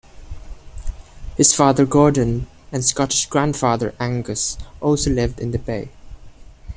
His father Gordon and Scottish grandfather Angus also lived in the Bay.